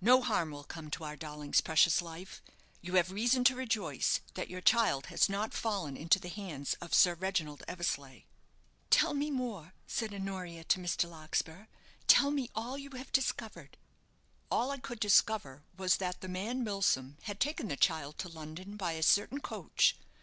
"No harm will come to our darling's precious life. You have reason to rejoice that your child has not fallen into the hands of Sir Reginald Eversleigh." "Tell me more," said Honoria to Mr. Larkspur. "Tell me all you have discovered." "All I could discover was that the man Milsom had taken the child to London by a certain coach.